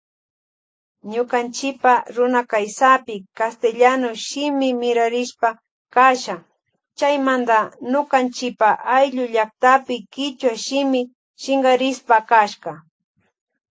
Ñukanchipa runakaysapi castellano shimi mirarishpa kasha chaymanta nukanchipa ayllu llaktapi kichwa shimi shinkarispa kashka.